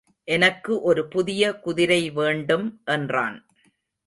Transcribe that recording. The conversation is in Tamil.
எனக்கு ஒரு புதிய குதிரைவேண்டும் என்றான்.